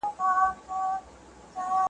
څو کوتري یې وې ښکار لره روزلي .